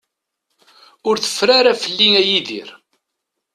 Ur teffer ara fell-i, a Yidir.